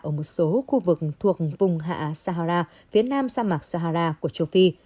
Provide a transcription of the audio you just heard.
ở một số khu vực thuộc vùng hạ sahara phía nam sa mạc sahara của châu phi